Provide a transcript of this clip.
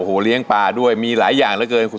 โอ้โหเลี้ยงปลาด้วยมีหลายอย่างเหลือเกินคุณ